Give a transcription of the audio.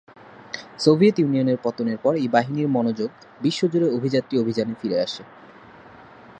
Soviet ইউনিয়নের পতনের পরে এই বাহিনীর মনোযোগ বিশ্বজুড়ে অভিযাত্রী অভিযানে ফিরে আসে।